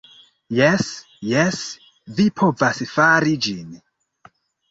Jes jes, vi povas fari ĝin.